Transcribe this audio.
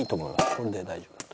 これで大丈夫だと。